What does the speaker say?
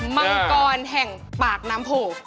มังกรแห่งปากน้ำโพ